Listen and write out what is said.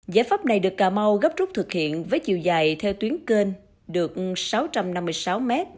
giải pháp này được cà mau gấp rút thực hiện với chiều dài theo tuyến kênh được sáu trăm năm mươi sáu m